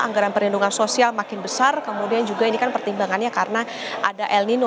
anggaran perlindungan sosial makin besar kemudian juga ini kan pertimbangannya karena ada el nino